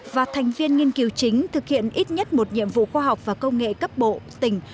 và thành viên nghiên cứu chính thực hiện ít nhất một nhiệm vụ khoa học và công nghệ cấp bộ tỉnh